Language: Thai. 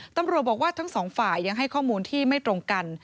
ตำรวจบอกว่าทั้งสองฝ่ายยังให้ข้อมูลที่ไม่ตรงกัน